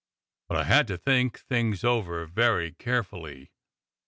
But I had to think things over very carefully.